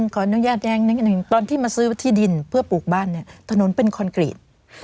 ขออนุญาตแย้งนิดนึงตอนที่มาซื้อที่ดินมาปลูกบานตระหนดเป็นคอนกรีต